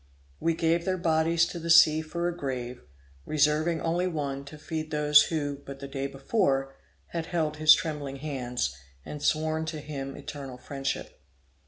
We gave their bodies to the sea for a grave, reserving only one to feed those who, but the day before, had held his trembling hands, and sworn to him eternal friendship.